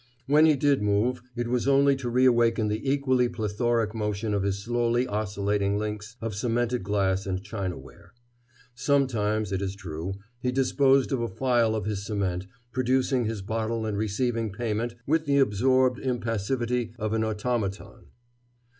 When he did move it was only to re awaken the equally plethoric motion of his slowly oscillating links of cemented glass and chinaware. Sometimes, it is true, he disposed of a phial of his cement, producing his bottle and receiving payment with the absorbed impassivity of an automaton.